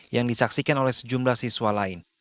yang disaksikan oleh sejumlah siswa lain